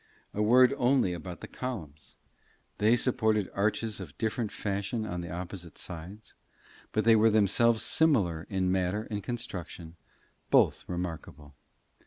A word only about the columns: they supported arches of different fashion on the opposite sides, but they were themselves similar in matter and construction, both remarkable.